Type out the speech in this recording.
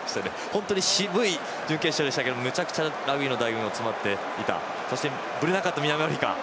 本当に渋い準決勝でしたがめちゃくちゃラグビーのだいご味が詰まっていたそして、ぶれなかった南アフリカ。